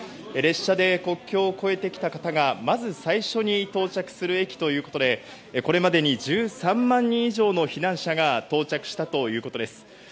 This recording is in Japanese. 列車で国境を越えてきた方がまず最初に到着する駅ということでこれまでに１３万人以上の避難者が到着したということです。